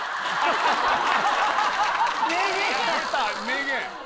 名言。